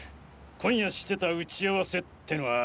今夜してた打ち合わせってのは。